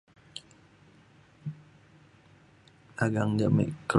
dagang ja me keluk